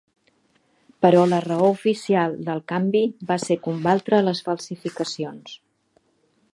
Però la raó oficial del canvi va ser combatre les falsificacions.